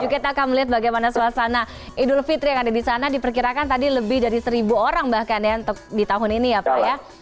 kita akan melihat bagaimana suasana idul fitri yang ada di sana diperkirakan tadi lebih dari seribu orang bahkan ya untuk di tahun ini ya pak ya